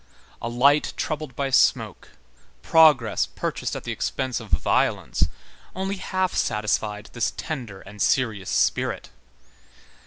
A light troubled by smoke, progress purchased at the expense of violence, only half satisfied this tender and serious spirit.